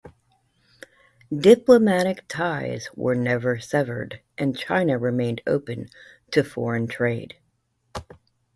Diplomatic ties were never severed and China remained open to foreign trade.